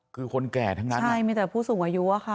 คือคนแก่ทั้งนั้นใช่มีแต่ผู้สูงอายุอะค่ะ